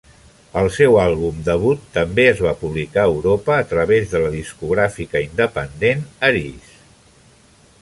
El seu àlbum debut també es va publicar a Europa a través de la discogràfica independent Arise.